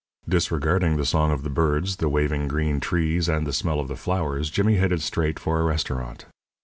Disregarding the song of the birds, the waving green trees, and the smell of the flowers, Jimmy headed straight for a restaurant.